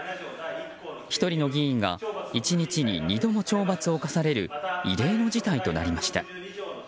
１人の議員が１日に二度も懲罰を科される異例の事態となりました。